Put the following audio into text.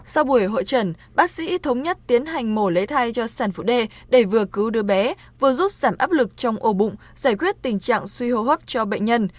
sau buổi hội trần bác sĩ thống nhất tiến hành mổ lấy thai cho sản phụ đê để vừa cứu đứa bé vừa giúp giảm áp lực trong ổ bụng giải quyết tình trạng suy hô hấp cho bệnh nhân